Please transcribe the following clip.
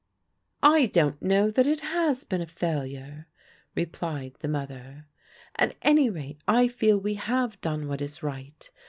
" I don't know that it has been a failure," replied the mother. "At any rate, I feel we have done what is right.